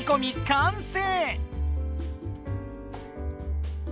完成！